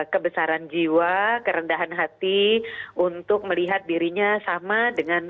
kebesaran jiwa kerendahan hati untuk melihat dirinya sama dengan